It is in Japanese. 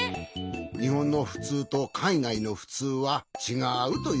にほんのふつうとかいがいのふつうはちがうということじゃな。